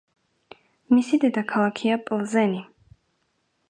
მისი დედაქალაქია პლზენი.